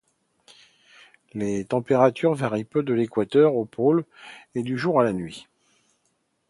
Les températures varient peu de l'équateur aux pôles et du jour à la nuit.